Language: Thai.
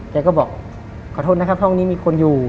แกก็บอกขอโทษนะครับห้องนี้มีคนอยู่